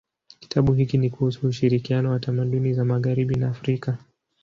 Kitabu hiki ni kuhusu ushirikiano wa tamaduni za magharibi na Afrika.